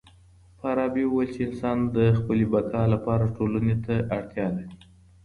فارابي وويل چي انسان د خپل بقا لپاره ټولني ته اړتيا لري.